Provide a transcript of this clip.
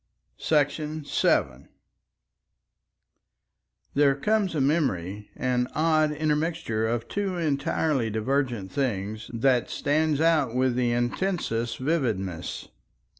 § 7 There comes a memory, an odd intermixture of two entirely divergent things, that stands out with the intensest vividness.